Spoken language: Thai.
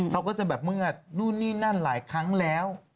เขาก็จะแบบเมื่อนู่นนี่นั่นหลายครั้งแล้ว